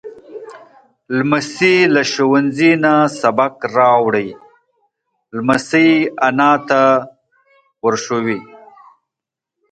لمسی له ښوونځي نه سبق راوړي.